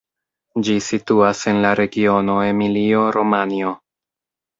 Ĝi situas en la regiono Emilio-Romanjo.